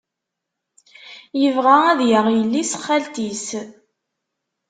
Yebɣa ad yaɣ yelli-s n xalti-s.